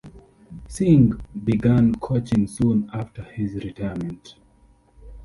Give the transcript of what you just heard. Singh began coaching soon after his retirement.